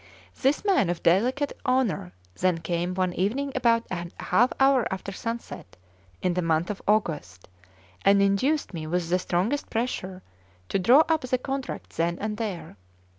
This man of delicate honour then came one evening about a half hour after sunset, in the month of August, and induced me with the strongest pressure to draw up the contract then and there.